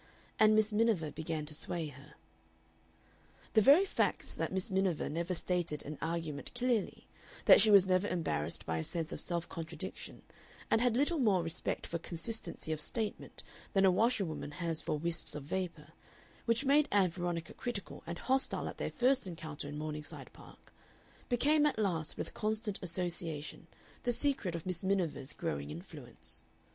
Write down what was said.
And Miss Miniver began to sway her. The very facts that Miss Miniver never stated an argument clearly, that she was never embarrassed by a sense of self contradiction, and had little more respect for consistency of statement than a washerwoman has for wisps of vapor, which made Ann Veronica critical and hostile at their first encounter in Morningside Park, became at last with constant association the secret of Miss Miniver's growing influence.